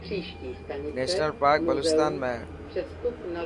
نيشنل پارڪ بلوچستان ۾ هي.